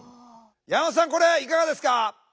山本さんこれいかがですか？